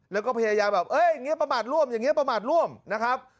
แล้วก็พยายามแบบเอ้ยอย่างนี้ประมาทร่วมอย่างนี้ประมาทร่วมนะครับ